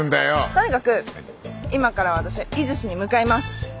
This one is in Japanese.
とにかく今から私は出石に向かいます。